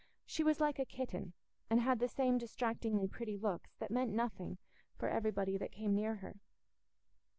She was like a kitten, and had the same distractingly pretty looks, that meant nothing, for everybody that came near her.